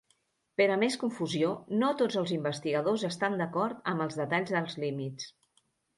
Per a més confusió, no tots els investigadors estan d"acord amb els detalls dels límits.